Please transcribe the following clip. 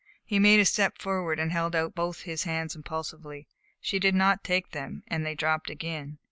He made a step forward, and held out both his hands impulsively. She did not take them, and they dropped again.